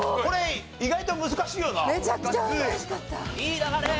これ意外と難しいよな。